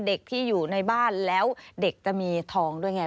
เด็กที่อยู่ในบ้านแล้วเด็กจะมีทองด้วยไง